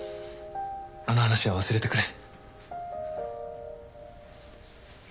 あの話は忘れてくれ。